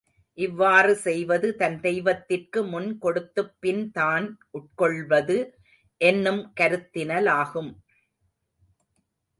இவ்வாறு செய்வது தன் தெய்வத்திற்கு முன் கொடுத்துப் பின் தான் உட்கொள்வது என்னும் கருத்தினலாகும்.